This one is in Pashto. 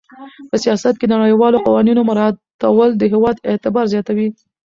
په سیاست کې د نړیوالو قوانینو مراعاتول د هېواد اعتبار زیاتوي.